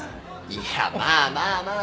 いやまあまあまあ。